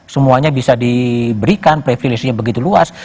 semuanya bisa diberikan previlisinya begitu luas